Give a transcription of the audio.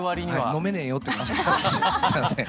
飲めねぇよってすいません。